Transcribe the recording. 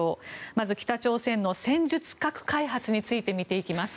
まず北朝鮮の戦術核開発について見ていきます。